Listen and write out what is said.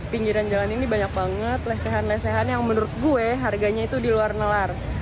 pinggiran jalan ini banyak banget lesehan lesehan yang menurut gue harganya itu di luar nalar